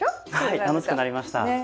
はい楽しくなりました。